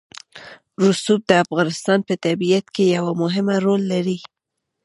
رسوب د افغانستان په طبیعت کې یو مهم رول لري.